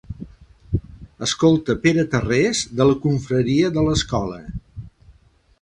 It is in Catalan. Escolta Pere Tarrés de la confraria de l'escola.